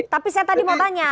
tapi saya tadi mau tanya